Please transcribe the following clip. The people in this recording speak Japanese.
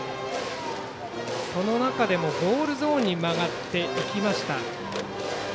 その中でもボールゾーンに曲がっていきました。